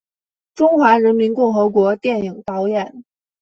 中华人民共和国电影导演。